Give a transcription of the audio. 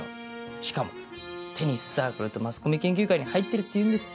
しかもテニスサークルとマスコミ研究会に入ってるっていうんです。